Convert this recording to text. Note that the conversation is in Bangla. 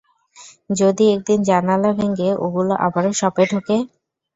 যদি একদিন জানালা ভেঙে ওগুলো আবারও শপে ঢুকে?